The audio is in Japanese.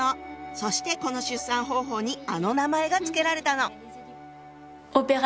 そしてこの出産方法にあの名前が付けられたの。